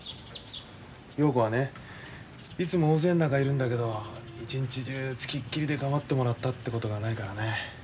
陽子はねいつも大勢の中にいるんだけど一日中つきっきりで構ってもらったってことがないからね。